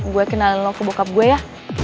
gue kenalin lo ke bokap gue ya